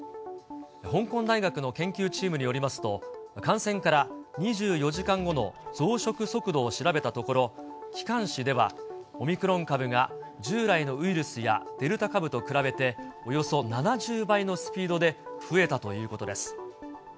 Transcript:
香港大学の研究チームによりますと、感染から２４時間後の増殖速度を調べたところ、気管支ではオミクロン株が従来のウイルスやデルタ株と比べておよそ７０倍のスピードで増えたということです。